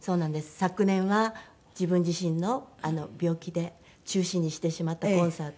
昨年は自分自身の病気で中止にしてしまったコンサート。